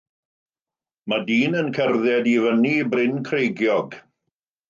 Mae dyn yn cerdded i fyny bryn creigiog.